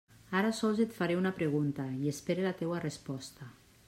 Ara sols et faré una pregunta i espere la teua resposta.